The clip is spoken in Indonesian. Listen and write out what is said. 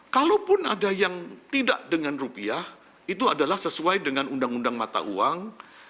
kalaupun ada yang tidak dengan rupiah itu adalah sesuai dengan undang undang mata uang